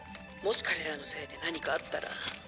「もし彼らのせいで何かあったら」